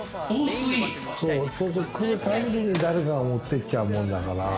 来るたびに誰かが持ってっちゃうもんだから。